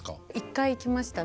１回行きました。